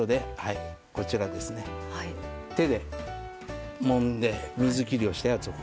手でもんで、水切りをしたやつを。